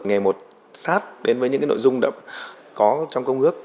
nghe một sát đến với những nội dung có trong công ước